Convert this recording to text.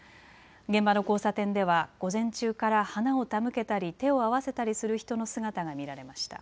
現場の交差点では午前中から花を手向けたり手を合わせたりする人の姿が見られました。